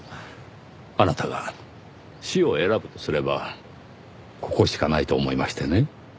あなたが死を選ぶとすればここしかないと思いましてね。